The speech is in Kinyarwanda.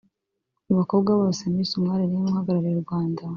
Mu bakobwa bose Miss Umwali Neema uhagarariye u Rwanda